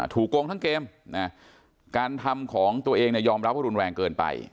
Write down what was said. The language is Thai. โกงทั้งเกมการทำของตัวเองยอมรับว่ารุนแรงเกินไป